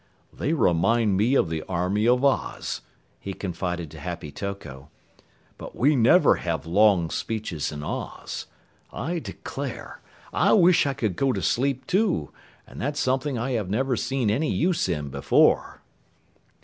"They remind me of the Army of Oz," he confided to Happy Toko, "but we never have long speeches in Oz. I declare, I wish I could go to sleep, too, and that's something I have never seen any use in before."